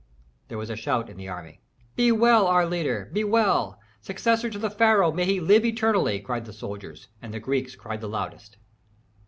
There was a shout in the army. "Be well, our leader! Be well, successor of the pharaoh, may he live eternally!" cried the soldiers; and the Greeks cried the loudest.